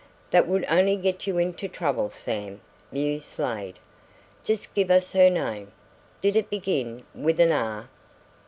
"That would only get you into trouble, Sam," mused Slade. "Just give us her name. Did it begin with an 'R'?"